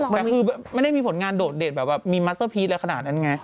แต่คือไม่ได้มีผลงานโดดเด่นแบบว่ามีมัสเตอร์พีชอะไรขนาดนั้นไง